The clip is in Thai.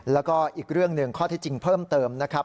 แล้วก็อีกเรื่องหนึ่งข้อที่จริงเพิ่มเติมนะครับ